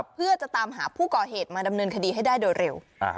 เพื่อจะตามหาผู้ก่อเหตุมาดำเนินคดีให้ได้โดยเร็ว